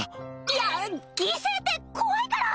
いや犠牲って怖いから！